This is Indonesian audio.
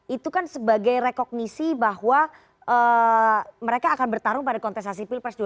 itu kan sebagai rekognisi bahwa mereka akan bertarung pada kontestasi pilpres dua ribu sembilan belas